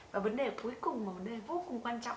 và vấn đề cuối cùng mà vấn đề vô cùng quan trọng